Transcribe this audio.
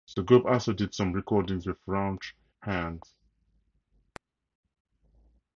The group also did some recordings with Raunch Hands.